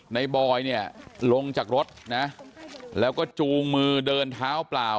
บอยเนี่ยลงจากรถนะแล้วก็จูงมือเดินเท้าเปล่า